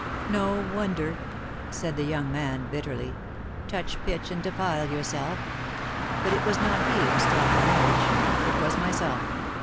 "No wonder," said the young man, bitterly. "Touch pitch and defile yourself; but it was not he who stopped the marriage it was myself.